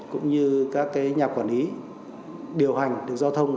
cũng như các nhà quản lý điều hành đường giao thông